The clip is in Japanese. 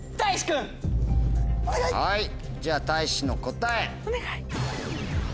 はいじゃたいしの答え。